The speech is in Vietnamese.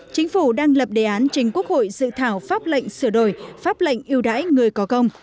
chính phủ đang lập đề án trình quốc hội dự thảo pháp lệnh sửa đổi pháp lệnh yêu đái người có công